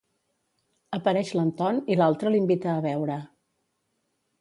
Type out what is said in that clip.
Apareix l'Anton i l'altre l'invita a beure.